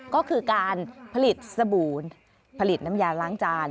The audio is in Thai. ก็คือการผลิตสบู่ผลิตน้ำยาล้างจาน